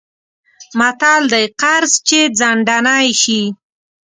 متل دی: قرض چې ځنډنی شی...